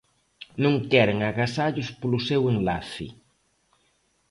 Non queren agasallos polo seu enlace.